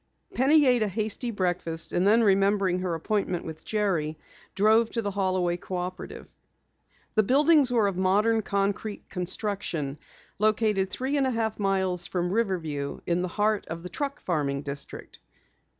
Penny ate a hasty breakfast, and then remembering her appointment with Jerry, drove to the Holloway Cooperative. The buildings were of modern concrete construction, located three and a half miles from Riverview in the heart of the truck farming district.